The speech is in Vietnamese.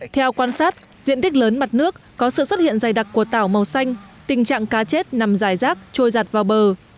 theo quan sát diện tích lớn mặt nước có sự xuất hiện dày đặc của tảo màu xanh tình trạng cá chết nằm dài rác trôi giặt vào bờ